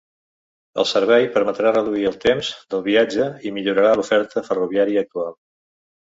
El servei permetrà reduir el temps del viatge i millorarà l’oferta ferroviària actual.